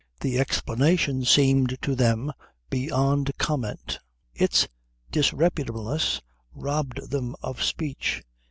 The explanation seemed to them beyond comment. Its disreputableness robbed them of speech.